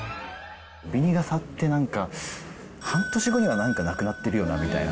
ビニ傘って、なんか、半年後にはなんかなくなってるよなみたいな。